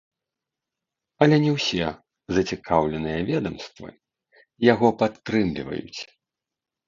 Але не ўсе зацікаўленыя ведамствы яго падтрымліваюць.